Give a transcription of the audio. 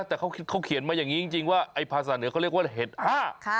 แต่เขาเขียนมาอย่างนี้จริงว่าไอ้ภาษาเหนือเขาเรียกว่าเห็ดอ้า